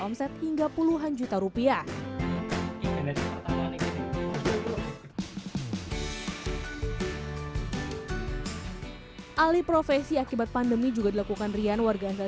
omset hingga puluhan juta rupiah alih profesi akibat pandemi juga dilakukan rian warga negara